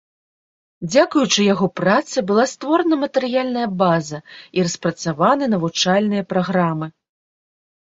Дзякуючы яго працы была створана матэрыяльная база і распрацаваны навучальныя праграмы.